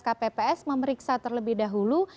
kpps memeriksa terlebih dahulu